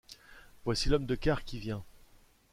Voici l’homme de quart qui vient. ..